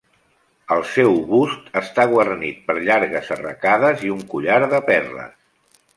El seu bust està guarnit per llargues arracades i un collar de perles.